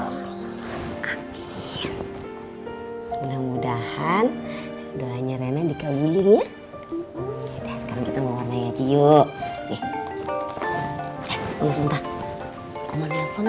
mudah mudahan doanya rena dikabulin ya kita sekarang kita mau warnanya yuk